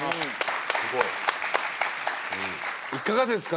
いかがですか？